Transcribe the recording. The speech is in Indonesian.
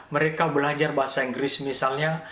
mereka belajar bahasa inggris misalnya